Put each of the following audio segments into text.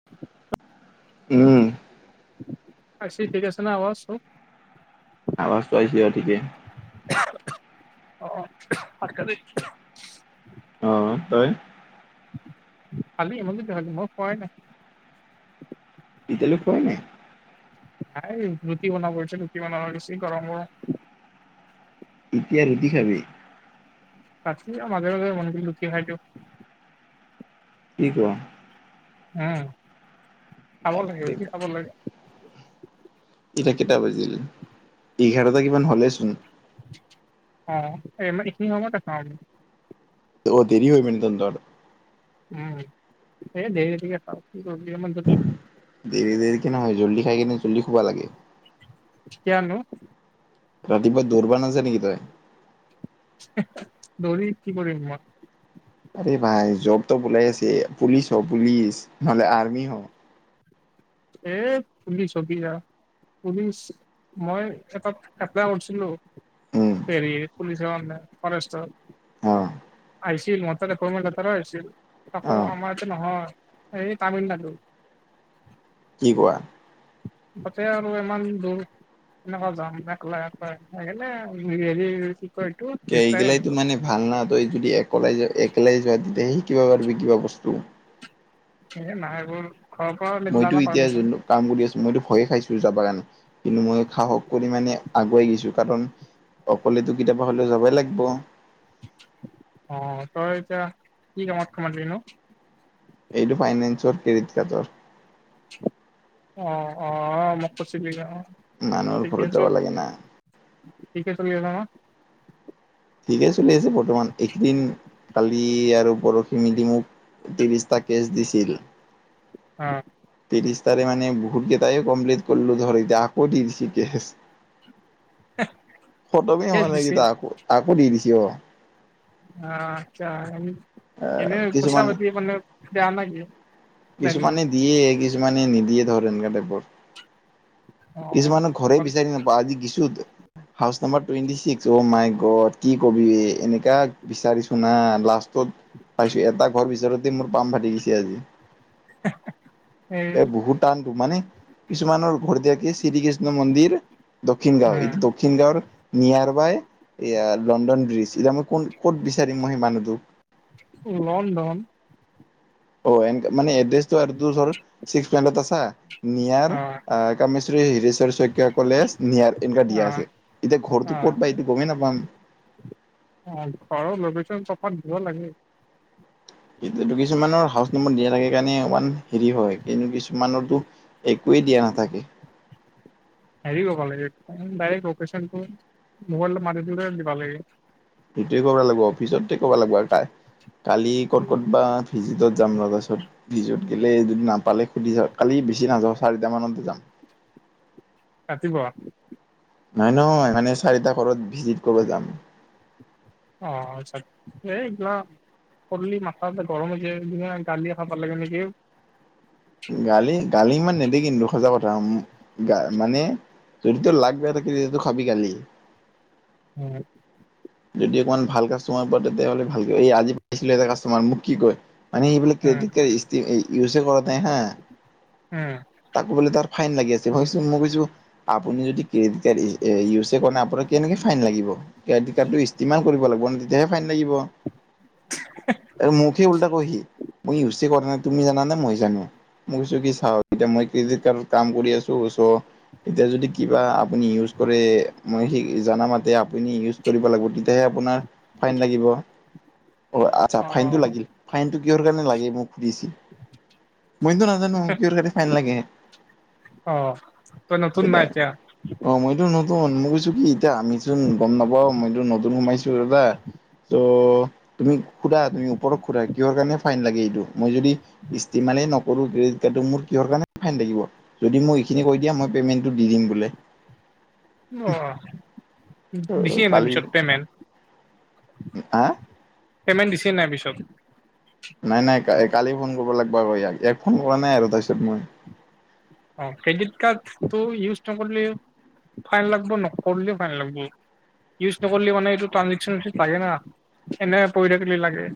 [unintelligible] উম আহিছে ঠিক আছে ন আৱাজটো আৱাজটো আহিছে অ ঠিকেই অ ভাত খালি অ তই খালি তহতি মই খোৱা নাই এতিয়ালৈ খোৱা‌ নাই নাই ৰুটি বনাব লৈছে ৰুটি বনাব লৈছে গৰম গৰম এতিয়া ৰুটি খাবি ৰাতি আৰু মাজে-মাজে [unintelligible] লুচি খাই দিওঁ। কি কোৱা? [inaudible] উম! খাব লাগে, বাপৰে ৰুটি বাপ। খাব লাগে। [unintelligible] এতিয়া কেইটা বাজিল? এঘাৰটা কিমান হ'লেই চোন। [unintelligible] অঁ ইমান এইখিনি সময়তে খাওঁ। [unintelligible] [unintelligible] অ দেৰি হয় মানে তহঁতৰ? উম! এই দেৰিকে [inaudible] খাওঁ কি কৰিবি [unintelligible] দেৰি-দেৰিকে নহয়, জল্দি খাই কিনে জল্দি শুব লাগে। [unintelligible] [unintelligible] কেতিয়া নো? ৰাতিপুৱা দৌৰব নাযায় নেকি তই? [unintelligible] [unintelligible] দৌৰি কি কৰিম মই? আৰে ভাই জব-তব ওলাই আছে। পুলিচ হ পুলিচ নহলে আৰ্মি হ। [unintelligible] এ পুলিচ হবি আৰু পুলিচ মই এটাত এপ্লাই কৰিছিলোঁ উম, [unintelligible] হেৰি পুলিচৰ অনলাইন ফৰেষ্টৰ। [unintelligible] অঁ [inaudible] আহিছিল মোৰ তাত এপণ্টনমেণ্ট লেটাৰো আহিছিলি। [unintelligible] আকৌ অ' আমাৰ এইয়াতে নহয় এই তামিলনাডু। [unintelligible] কি কোৱা? [inaudible] তাতে আৰু ইমান দূৰ? [unintelligible] এনেকুৱা যাম একেলে-একলে এনেই হেৰি কি কয় এইটো? [unintelligible] সেইগেলাইটো আহিলোঁ মানে ভাল নাহ তই যদি একেলাই যোৱা একেলাই যোৱা তেতিয়াহে শিকিব পাৰিবি কিবা বস্তু। [unintelligible] এ নাই এইবোৰ [unintelligible] মইতো এতিয়া যেনো [unintelligible] কাম কৰি আছোঁ। মইতো ভয়ে খাইছো যাব কাৰণে কিন্তু মই সাহস কৰি মানে আগুৱাই গৈছোঁ কাৰণ [unintelligible] অকলেতো কেতিয়াবা হ'লেও যাবই লাগিব। [unintelligible] [unintelligible] অঁ! তই এতিয়া কি কামত সোমালি নো? এইটো ফাইনেন্সৰ ক্ৰেডিট কাৰ্ডৰ। [unintelligible] [inaudible] অঁ-অঁ! মোক কৈছিলি যে অঁ। মানুহৰ ঘৰত যাব লাগে না। [unintelligible] ঠিকে চলি আছে ন? [unintelligible] ঠিকে চলি আছে বৰ্তমান। এইকেইদিন কালি আৰু পৰসি মিলি মোক [unintelligible] ত্ৰিশটা কেচ দিছিল। [unintelligible] অঁ! [inaudible] ত্ৰিছটাৰে মানে বহুতকেইটাই কমপ্লিট কৰিলো ধৰ এতিয়া আকৌ দি দিছে কেছ। [unintelligible] খটমেই কেচ হোৱা নাই দিছিল এইকেইটা আকৌ-আকৌ দি দিছে অ। [unintelligible] অঁ আ্তছা এনেই প‌ইচা কিছুমানে পাতি মানে দিয়া না কি? [unintelligible] দেন কিছুমানে দিয়ে, কিছুমানে নিদিয়ে ধৰ এনকা টাইপৰ। অ [unintelligible] কিছুমানৰ ঘৰে বিচাৰি নাপাওঁ আজি গৈছোঁ [unintelligible] house number twenty six oh' my god কি কবি এনেকা বিচাৰিছোঁ নাই লাষ্ট [unintelligible] লাষ্টতত পাইছোঁ। এটা ঘৰ বিচাৰোতে মোৰ পাম ফাটি গৈছে আজি। [unintelligible] [unintelligible] এ বহুত টানতো, মানে কিছুমানৰ ঘৰ দিয়া কি শ্ৰীকৃষ্ণ মন্দিৰ [unintelligible] দক্ষিণ গাঁও এইটো [unintelligible] দক্ষিণ গাঁৱৰ নিয়াৰ বাইয়ৰ লণ্ডন ব্ৰিজ। এতিয়া মই কোন ক'ত বিচাৰিম মই সেই মানুহটোক? [unintelligible] লণ্ডন? [unintelligible] অ এনকে মানে এড্ৰেছটো আৰু তোৰ ধৰ চিক্স [unintelligible] আছা নিয়াৰ অ আহ কামেশ্বৰী হিৰেশ্বৰ শইকীয়া কলেজ নিয়াৰ এনেকুৱা অ দিয়া আছে। এতিয়া অ ঘৰটো ক'ত বা এইটো গমেই নাপাম। অ ঘৰৰ লোকেচন [unintelligible] দিব লাগে এইটোৱেটো কিছুমানৰ হাউচ নম্বৰ দিয়া থাকে কাৰণে ওৱান হেৰি হয় কিন্তু কিছুমানৰতো একোৱেই দিয়া নাথাকে। হেৰি কৰিব লাগে ডাইৰেক্ট লেকেচনটো ম'বাইলত মাৰি দিওতে দিবা লাগে। সেইটোৱে কৰবা লাগব অফিচতে ক'বা লাগিব আৰু তাই কালি ক'ত উম ক'ত বা ভিজিটত যাম ৰ পাছত ভিজত গেলে যদি নাপালে সুধি যাওঁ কালি বেছি নাযাওঁ চাৰিটামানতে যাম। [unintelligible] নাই নয় মানে চাৰিটা ঘৰত ভিজিট কৰিব যাম। অ আচ্ছা [unintelligible] কৰলি মাথা চাথা গৰম হৈ যায় দুনিয়া গালিয়ে খাব লাগে নেকি গালি গালি ইমান নেদে কিন্তু সঁচা কথা উম গা মানে তোৰতো লাগ বেয়া থাকিলে তো খাবি গালি। হয় যদি অকমান ভাল কাষ্টমাৰ পোৱা তেতিয়াহলে ভালকৈ এই আজি পাইছিলো এটা কাষ্টমাৰ মোক কি কয় মানে এইবিলাক উম কেতিকে ইষ্টি ইউজে কৰা নাই হা উম তাকো বোলে তাৰ ফাইন লাগি আছে ভাবিছো মই কৈছো আপুনি যদি ক্ৰেডিট কাৰ্ড এ ইউজে কৰা নাই আপোনাক কেনেকে ফাইন লাগিব ক্ৰেডিট কাৰ্ডটো ইসষ্টেমাল কৰিব লাগিব ন তেতিয়াহে ফাইন লাগিব। আৰু মোকহে উল্টা কয় হি মই ইউচে কৰা নাই তুমি জানানে মই জানো মোক কৈছো কি চাও এতিয়া মই ক্ৰেডিট কাৰ্ডত কাম কৰি আছো চ এতিয়া যদি কিবা আপুনি ইউজ কৰে মই সেই জানামতে আপুনি ইউ- কৰিব লাগিব তেতিয়াহে আপোনাৰ ফাইন লাগিব অ আচ্ছা অ ফাইন টো লাগিল ফাইন টো কিহৰ কাৰণে লাগে মোক সুধিছিল মইতো নাজানো কিহৰ কাৰণে ফাইন লাগে অ তই নতুন না এতিয়া অ মইতো নতুন মই কৈছো কি এতিয়া আমিচোন গম নাপাওঁ মইতো নতুন সোমাইছো দাদা ত' তুমি সোধা তুমি ওপৰত সোধা কিহৰ কাৰণে ফাইন লাগে এইটো মই যদি ইসষ্টিমালেই নকৰো ডে যেতিয়া তো মোৰ কিহৰ কাৰণে ফাইন লাগিব। যদি মোক এইখিনি কৈ দিয়া মই পে'মেণ্টটো দি দিম বোলে। অ দিছে কালি পিছত পেমেণ্ট হা পেমেণ্ট দিছে নাই পিছত নাই নাই কা কালি ফোন কৰিব লাগিব আৰু ইয়াক ইয়াৰ ফোন কৰা নাই আৰু তাৰপিছত মই অ ক্ৰেডিট কাৰ্ডটো ইউজ নকৰিলে ফাইন লাগব নকৰিলেও ফাইন লাগব ইউজ নকৰিলে মানে এইটো ট্ৰানজেক্সনটোত লাগে না এনে পৰি থাকিল লাগে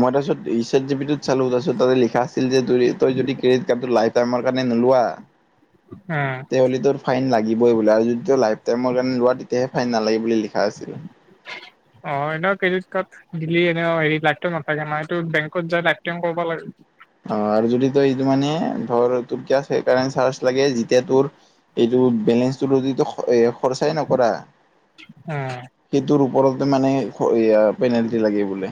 মই তাৰপাছত ই চেত জি পি টোত চালো তাৰ পিছত তাতে লিখা আছিল যে তোৰ এ তই যদি ক্ৰেডিট কাৰ্ডটো লাইফ ত আমাৰ কাৰণে নোলোৱা অ তেহ'লে তোৰ ফাইন লাগিবই বোলে আৰু যদি তোৰ লাইফ টাইমৰ কাৰনে লোৱা তেতিয়াহে ফাইন নালাগে বুলি লিখা আছিলে। অ এ ন ক্ৰেডিট কাৰ্ড দিলি এনেও হেৰি লাইফটো নাথাকে নহয় এইটো বেংকত যাই লাইফ টাইম কৰিব লাগে অ আৰু যদি তই এইটো মানে ধৰ তোৰ কি আছে সেইকাৰণে চাৰ্জ লাগে যেতিয়া তোৰ এইটো বেলেঞ্চটোতো যিটো স এ খৰচাই নকৰা সেইটোৰ ওপৰতে মানে এয়া পেনেল্টি লাগে বোলে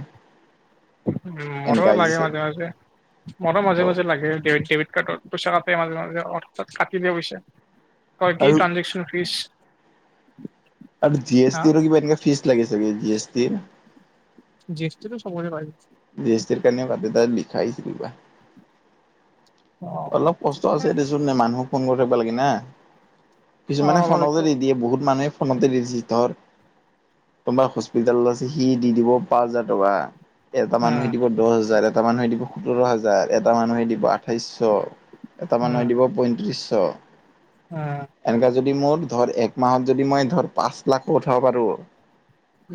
এনকাইজেছা- মন মাজে মাজে লাগে ডেবিত ডেবিট কাৰ্ডত পইচা কাতে মাজে মাজে অস্তাৎ কাটি নিয়ে বুইছে। কয় কি আৰু ট্ৰানঞ্জেকশ্যন ফিজ। আৰু জি এছ হা টি ৰ কিবা এনেকা ফিচ লাগে ছাগে জি এছ টিৰ। জি এছ টিটো চবৰে হয়। জি এছ টিৰ কাৰণেও কাতে তাত লিখায়ে ছিকিবা। অ অলপ কষ্ট আছে দেচোন নে মানুহ- ফন কৰি থাকব লাগে না অ কিছুমানে অলপ ফনকে এইটো দি দিয়ে বহুত মানুহে- পোনতে দিছি ধৰ তোমাৰ হস্পিতেলজ- সি দি দিব পাঁচ হাজাৰ টকা এটা মানুহে উম দিব দহ হাজাৰ এট- এটা মানুহে দিব সোতৰ হাজাৰ এটা মানুহে দিব আঠাইছশ এটা মানুহে দিব পঁয়ত্ৰিছ- ত- অঁ' এনেকা যদি মোৰ ধৰ এক মাহত যদি মই ধৰ পাঁচ লাখো উঠাব পাৰো-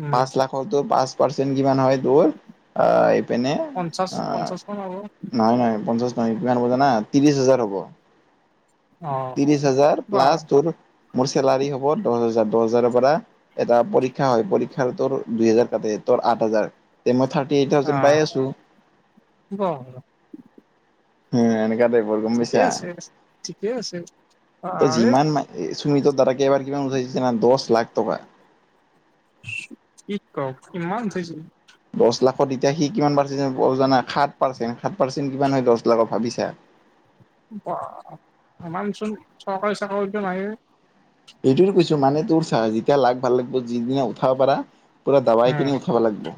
উম পাঁচ লাখৰটো পাঁচ পাৰ্চেন্ট কিমান হয়ত- টোৰ আ এইপিনে পঞ্চাশ আঁ- পঞ্চাশ মান হ'ব নহয় নহয় পঞ্চাশ নহয় কিমান হব জানা ত্ৰিশ হাজাৰ হ'ব। অ ত্ৰিশ হাজাৰ বাহ প্লাছ তোৰ মোৰ চেলাৰী হ'ব দহ হাজাৰ দহ হাজাৰৰ পৰা- এটা পৰীক্ষা হয় পৰীক্ষাৰ তোৰ দুই হাজাৰ কাটে তোৰ আঠ হাজাৰ- তে মই থাৰটি এইট থাউজেণ্ড পাই আছোঁ। ব সৰহ- উম এনেকা তাইপৰ গম পাইছা আছে ঠিকে আছে ত আৰে যিমান মাই- এই সুমিতৰ দ্বাৰা কেবাৰ কিমান উঠাইছে যানা দশ লাখ টকা। কি কওক, কিমান ধুইছিল। দচ লাখত এতিয়া সি কিমান পাৰচে জানা বজানা সাত পাৰ্চেণ্ট সাত পাৰ্চেণ্ট কিমান হয় দচ লাখ ভাবিছা। বা ইমানচোন চৰকাৰী চাকৰিটো নায়ে। এইটোৱে কৈছো মানে তোৰ চাহ যেতিয়া লাগ ভাল লাগিব যিদিনা উঠাব পাৰা- পুৰা দাবাই কিনি আঁ উঠাব লাগিব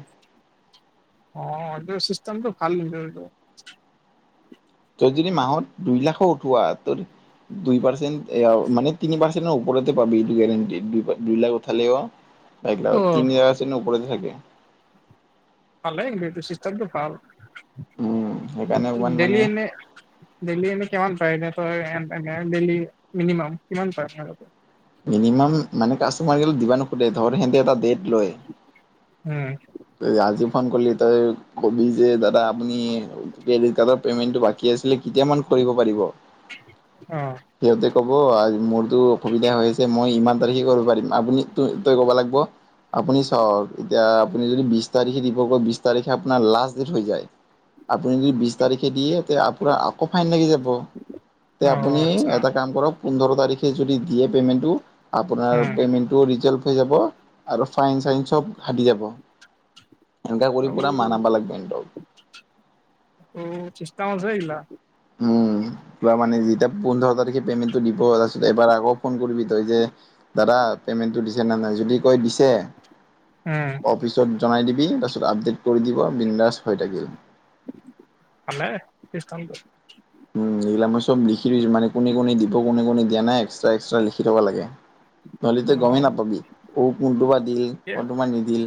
অঁ এটো চিষ্টমটো ভাল লাগিব। তই যদি মাহত দুই লাখো উঠোৱা তৰ- দুই পাৰ্চেট এ আও মানে তিনি পাৰ্চেণৰ ওপৰতে পাবি এইটো গেৰাণ্টিত দু দুই লাখ উঠালেও। একিলাও অ', তিনি আ তিন ওপৰতে থাকে। পালেং এইটো চিষ্টেম টো ভাল উম সেইকাৰণে অকমান ডেইলি মানে এনে- ডেইলি এনে কিমান পায় এনে ধৰ ডেইলি মিনিমাম কিমান পায় আপোনালোকে। মিনিমাম মানে কাষ্টমাৰ দিব নোখোধে ধৰ হেঁতে এটা ডেট লয়। উম'। ৰাজু ফন কৰিলি তই কবি যে দাদা আপুনি কালব- পেমেণ্টো বাকি আছিলে কিতিয়া মান কৰিব পাৰিব? অঁ' সিহঁতে ক'ব আই মোৰতো অসুবিধা হৈ আছে মই ইমান তাৰিখে কৰিব পাৰিম আপুনি ত তই ক'ব লাগিব- আপুনি চাওক ইতিয়া- আপুনি যদি বিছ তাৰিখে দিব ক বিছ তাৰিখে আপোনাৰ লাষ্ট ডেট হৈ যায়। আপুনি যদি বিছ তাৰিখে দিয়ে এতিয়া আপোনাৰ আকৌ ফাইন লাগি যাব। তে অ', আপুনি আচ্ছা এটা কাম কৰক পোন্ধৰ তাৰিখে যদি দিয়ে পেমেন্টো আপোনাৰ উম। পেমেন- টো ৰিজল্ট হৈ যাব আৰু ফাইন চাইন চব সাদি যাব। এনেকা কৰি অও পুৰা মানাবা লাগব ইহঁতক অ চিষ্টাম আছে গিলা। উম এইবাৰ মানে যেতিয়া পোন্ধৰ তাৰিখে পেমেন্টটো দিব তাৰপিছত এবাৰ আকৌ ফোন কৰিবি তই যে দাদা পেমেণ্টটো দিছেনে নাই? যদি কয় দিছে উম। অফিচত জনাই দিবি তাৰপিছত আপডেট কৰি দিব বিন্দাচ হৈ থাকিল। [unintelligible] উম এইবিলাক মই চব লিখি দিছোঁ মানে কোনে কোনে দিব কোনে কোনে দিয়া নাই এক্সট্ৰা এক্সট্ৰা লিখি থব লাগে। [unintelligible] নহ'লে তই গমেই অ', নাপাবি ঔ কোনটো বা দিল ঠিকে কোনটো বা নিদিল।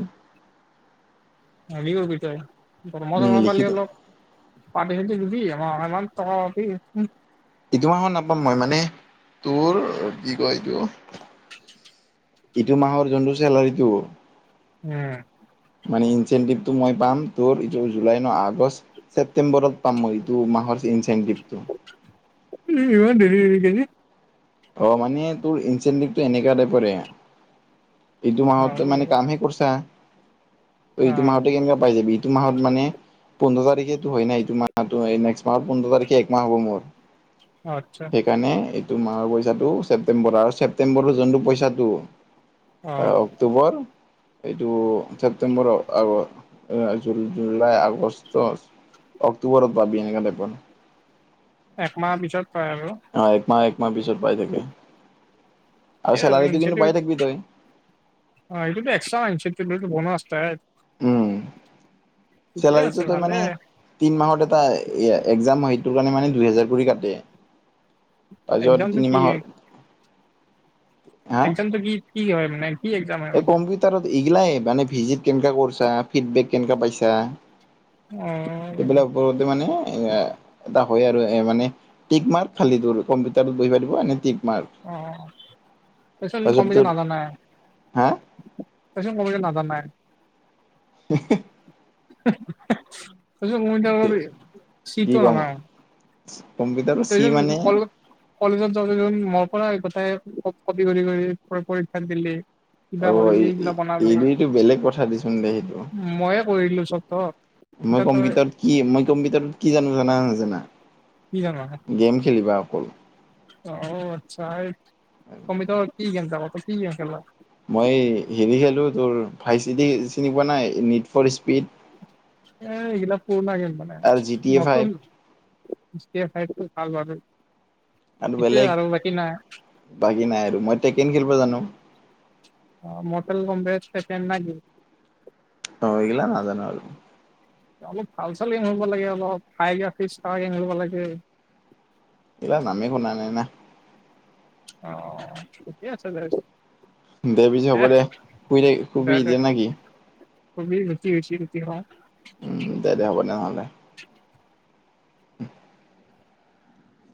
হেৰী কৰিবি তই গৰমত উম, আমাৰ লিখি থ ফালে অলপ পাতি খেতি দিবি আমাৰ সমান টকা পাবি। ইটো মাহৰ নাপাম মই মানে তোৰ কি কয় এইটো [unintelligible] ইটো মাহৰ যোনটো চেলাৰীটো? উম। মানে ইনচেনটিভটো মই পাম তোৰ এইটো জুলাই ন? আগষ্ট, ছেপ্তেম্বৰত পাম মই। টো মাহৰ ইনচেনটিভটো। কি ইমান দেৰিকে যে? অ মানে তোৰ ইনচেনটিভটো এনেকুৱা টাইপৰে। এইটো অ মাহতে মানে কামহে কৰিছা ত' এইটো মাহতে কেনেকুৱা পাই যাবি। ইটো মাহত মানে পোন্ধৰ তাৰিখে ধৰে না ইটো মাহত হয় নেক্সট মাহৰ পোন্ধৰ তাৰিখে এক মাহ হ'ব মোৰ। আচ্ছা সেইকাৰণে এইটো মাহৰ পইচা টো ছেপ্টেম্বৰ আৰু ছেপ্টেম্বৰৰ যোনটো পইচাটো অ অক্টোবৰ এইটো ছেপ্টেম্বৰ আগৰ এ জু জুলাই আগ আগষ্ট, অক্টোবৰত পাবি এনেকা টাইপৰ একমাহ পিছত পায় আৰু? অ' একমাহ একমাহ পিছত পাই থাকে। আৰু চেলাৰীটো কিন্তু পাই থাকিবি তই। [unintelligible] উম ঠিকে আছে চেলাৰীটো তই ভালে মানে তিন মাহত এটা এ একজাম হয় সেইটোৰ কাৰণে মানে দুহেজাৰ কৰি কাটে। তাৰপিছত এক্জামটো তিনিমাহৰ হা একজামটো কি কি হয় মানে? কি এক্জাম হয় এই মানে কম্পিউটাৰত এইগিলাই মানে ভিজিট কেনেকা কৰিছা ফিডবেক কেনেকা পাইছা। এইবিলাক অহ। ওপৰতে মানে এ এটা হয় আৰু এ মানে টিক মাৰ্ক খালি তোৰ কম্পিউটাৰত বহিব দিব এনে টিক মাৰ্ক। অ অ, তই চোন তাৰপিছত কম্পিউটাৰ তোৰ নাজানাই? হা তইচোন কম্পিউটাৰ নাজানাই? হে হে। পিছত মই তৰ চিটো নাই [unintelligible] কম্পিউটাৰ তই চোন কলেজ কলেজত যাওঁতে দেখোন মোৰ পৰাই গোটেই ক কপি কৰি কৰি পৰী পৰীক্ষাটো দিলি। কিবা অ এই কৰিলি এইবিলাক বনাব এইটো বেলেগ কথা দেচোন দে সেইটো। লাগে। ময়ে কৰি দিলোঁ চব তোৰ। মই কম্পিউটাৰত কি মই কম্পিউটাৰত কি জানো জানা নে নাজানা? কি জান গেম খেলিবা অকল অ' আচ্ছা এই কম্পিউটাৰত কি গেম ডাউনলোড কৰা কি গেম খেলা মই হেৰি খেলোঁ তোৰ ফাইভ চিটি চিনি পোৱা নাই নিট ফ'ৰ স্পীড এ এইগিলা পুৰণা গেম মানে আৰু জি টি এ ফাইভ নতুন [unintelligible] আৰু সেইটোয়ে বেলেগ বাকী নাই বাকী নাই আৰু মই ট্ৰেকেন খেলিব জানো অ' মটেল কম্বে ষ্টেচেণ্ড নাই দিওঁ অ এইগিলা নাজানো আৰু অলপ ভাল চাল গেম হ'ব লাগে অলপ হাইগ্ৰফিছ থকা গেম খেলিব লাগে এইগিলা নামে শুনা নাই না অ' ঠিকে আছে দে পিছে হ'ব দে শুই থাকি শুবি এতিয়া না কি শুবি ৰুতি হৈছে ৰুতি উম খোৱাৰ দে দে হ'ব দে নহ'লে